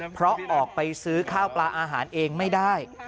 เพราะออกไปซื้อข้าวปลาอาหารเองไม่ได้